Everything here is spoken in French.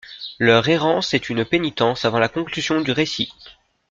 Leur errance est une pénitence avant la conclusion du récit.